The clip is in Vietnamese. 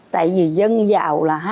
tại vì dân giàu là